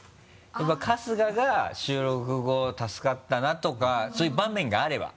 やっぱ春日が収録後「助かったな」とかそういう場面があれば。